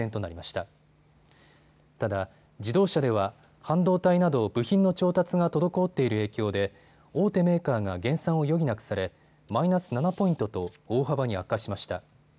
ただ、自動車では半導体など部品の調達が滞っている影響で大手メーカーが減産を余儀なくされマイナス７ポイントと大幅に悪化しました。